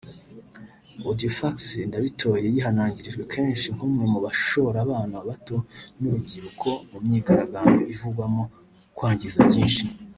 Audifax Ndabitoreye yihanangirijwe kenshi nk’umwe mu bashora abana bato n’urubyiruko mu myigaragambyo ivugwamo kwangiza byinshi